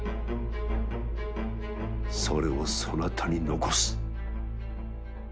それをそなたに残す。